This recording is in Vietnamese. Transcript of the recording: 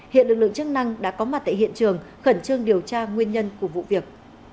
hiện lực lượng chức năng đã có mặt tại hiện trường khẩn trương điều tra nguyên nhân của vụ việc